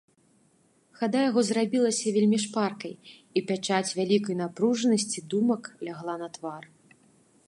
Хада яго зрабілася вельмі шпаркай, і пячаць вялікай напружанасці думак лягла на твар.